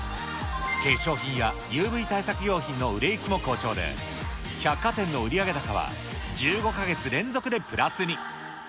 化粧品やＵＶ対策用品の売れ行きも好調で、百貨店の売上高は１５か月連続でプラスに。